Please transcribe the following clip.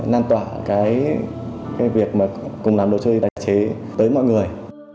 năn tỏa cái việc mà cùng làm đồ chơi đặt chế tới mọi người